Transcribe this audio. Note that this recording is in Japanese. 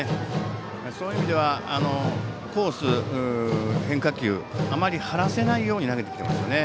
そういう意味ではコース、変化球あまり張らせないように投げてきていますね。